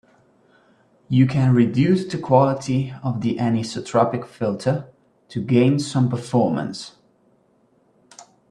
You can reduce the quality of the anisotropic filter to gain some performance.